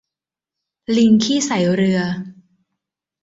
ลิงขี้ใส่เรือ